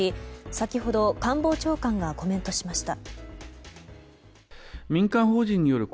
先ほど官房長官がコメントしました。